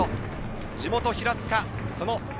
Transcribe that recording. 地元・平塚。